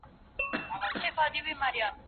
پر نغمو پر زمزمو چپاو راغلى